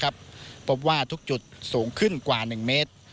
พบว่าทุกจุดสูงขึ้นกว่า๑เมตร